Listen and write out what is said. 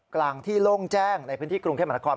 กลางที่โล่งแจ้งในพื้นที่กรุงเทพมหานคร